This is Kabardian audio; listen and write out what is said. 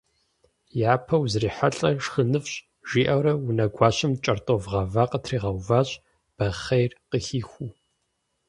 - Япэ узрихьэлӀэр шхыныфӀщ, - жиӀэурэ унэгуащэм кӀэртӀоф гъэва къытригъэуващ, бахъейр къыхихыу.